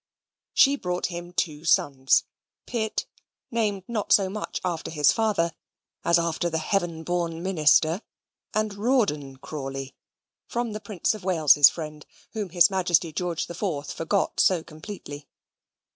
She brought him two sons: Pitt, named not so much after his father as after the heaven born minister; and Rawdon Crawley, from the Prince of Wales's friend, whom his Majesty George IV forgot so completely.